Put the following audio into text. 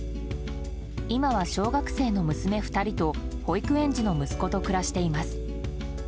今は小学生の娘２人と保育園児の息子と暮らしています。